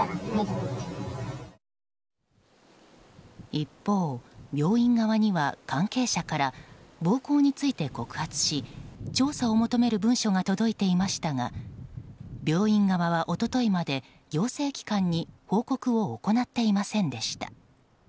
一方、病院側には、関係者から暴行について告発し調査を求める文書が届いていましたが病院側は一昨日まで行政機関に報告を行っていませんでした。